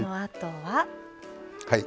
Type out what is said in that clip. はい。